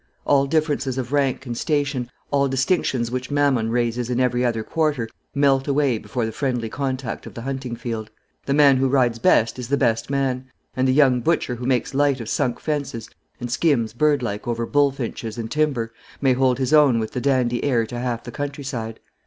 All differences of rank and station, all distinctions which Mammon raises in every other quarter, melt away before the friendly contact of the hunting field. The man who rides best is the best man; and the young butcher who makes light of sunk fences, and skims, bird like, over bullfinches and timber, may hold his own with the dandy heir to half the country side.